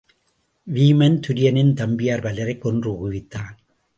வீமன் துரியனின் தம்பியர் பலரைக் கொன்று குவித்தான்.